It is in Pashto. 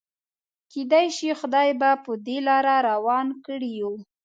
کيدای شي خدای به په دې لاره روان کړي يو.